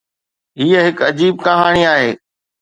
هي هڪ عجيب ڪهاڻي آهي.